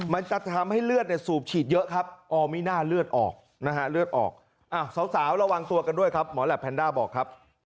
มันจะทำให้เลือดสูบฉีดเยอะครับ